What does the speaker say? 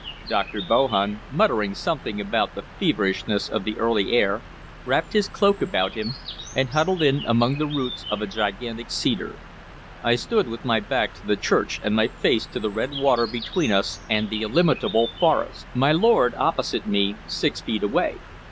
Dr. Bohun, muttering something about the feverishness of the early air, wrapped his cloak about him, and huddled in among the roots of a gigantic cedar. I stood with my back to the church, and my face to the red water between us and the illimitable forest; my lord opposite me, six feet away.